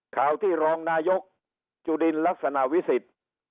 ข่าวที่รองนายกจุลินลักษณะวิสิทธิ์